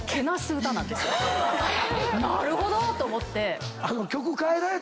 なるほど！と思って。